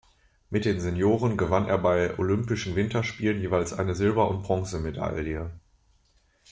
Mit den Senioren gewann er bei Olympischen Winterspielen jeweils eine Silber- und Bronzemedaille.